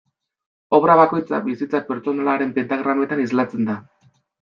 Obra bakoitza bizitza pertsonalaren pentagrametan islatzen da.